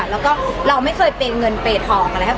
แล้วก็เราไม่เคยเปย์เงินเปย์ทองอะไรครับ